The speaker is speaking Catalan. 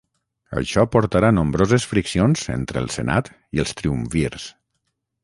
Això portarà nombroses friccions entre el senat i els triumvirs.